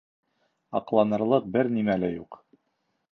Аҡланырлыҡ бер нимә лә юҡ.